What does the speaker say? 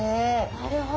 なるほど。